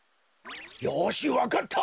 よしわかった。